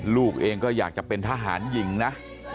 ลูกเองก็อยากจะเป็นทหารหญิงนะ